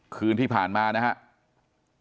คืนที่ผ่านมานะครับ